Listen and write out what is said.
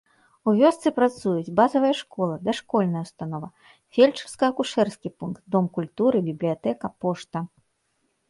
У вёсцы працуюць базавая школа, дашкольная ўстанова, фельчарска-акушэрскі пункт, дом культуры, бібліятэка, пошта.